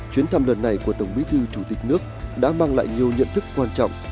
chuyến thăm lần này của tổng bí thư chủ tịch nước đã mang lại nhiều nhận thức quan trọng